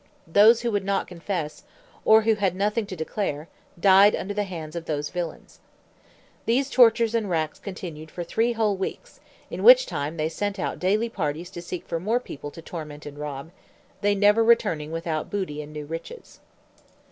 Those who would not confess, or who had nothing to declare, died under the hands of those villains. These tortures and racks continued for three whole weeks, in which time they sent out daily parties to seek for more people to torment and rob, they never returning without booty and new riches.